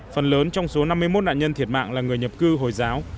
phần lớn trong số năm mươi một nạn nhân thiệt mạng là người nhập cư hồi giáo